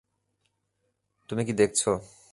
তুমি কি দেখছ?